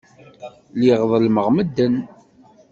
Lliɣ ḍellmeɣ medden.